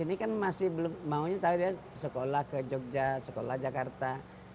ini kan masih belum maunya tapi dia sekolah ke jogja sekolah jakarta